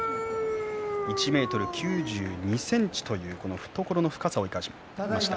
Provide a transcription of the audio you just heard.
１ｍ９２ｃｍという懐の深さを生かしました。